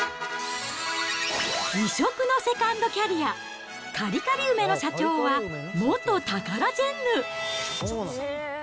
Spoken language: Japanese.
異色のセカンドキャリア、カリカリ梅の社長は元タカラジェンヌ。